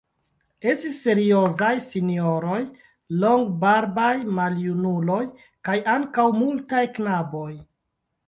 Estis seriozaj sinjoroj, longbarbaj maljunuloj kaj ankaŭ multaj knaboj.